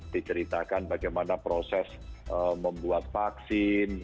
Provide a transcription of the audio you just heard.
diceritakan bagaimana proses membuat vaksin